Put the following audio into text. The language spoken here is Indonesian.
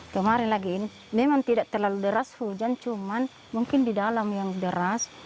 kemarin lagi ini memang tidak terlalu deras hujan cuman mungkin di dalam yang deras